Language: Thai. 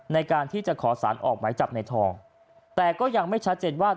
ในการที่จะขอสารออกหมายจับในทองแต่ก็ยังไม่ชัดเจนว่า